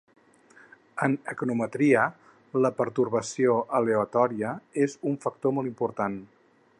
En econometria, la pertorbació aleatòria és un factor molt important.